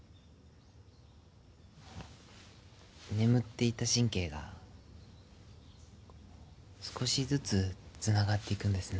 眠っていた神経が少しずつつながっていくんですね。